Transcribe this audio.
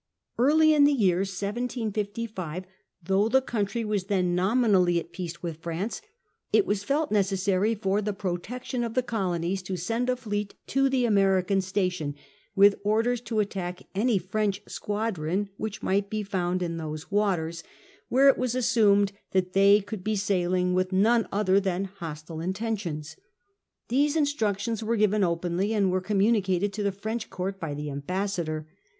Early in the year 1755, though the country was then nominally at peace with France, it was felt necessary for the jirotection of the colonies to send a f^e(^t to the American station, witli orders to attack any French squadron which might be found in those waters. IZ OUTBREAK OF WAR 25 where it was 'assumed that they could be sailing with none other than hostile intentions. These instructions were given openly, and were communicated to the French Court by the ambassador.